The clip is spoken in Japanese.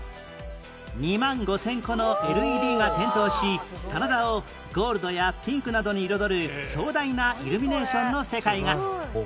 ２万５０００個の ＬＥＤ が点灯し棚田をゴールドやピンクなどに彩る壮大なイルミネーションの世界が